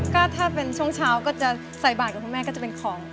ก็ถ้าเป็นช่วงเช้าก็จะใส่บาทกับคุณแม่ก็จะเป็นของ